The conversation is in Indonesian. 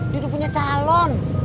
dia udah punya calon